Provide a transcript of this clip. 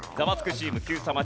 チームＱさま！！